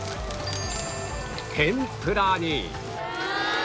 天ぷらに